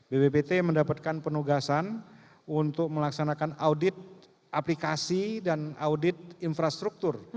bppt mendapatkan penugasan untuk melaksanakan audit aplikasi dan audit infrastruktur